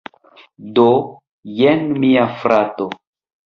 Do, jen mia frato